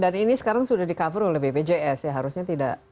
dan ini sekarang sudah di cover oleh bpjs ya harusnya tidak